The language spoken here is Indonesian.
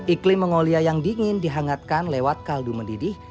iklim mongolia yang dingin dihangatkan lewat kaldu mendidih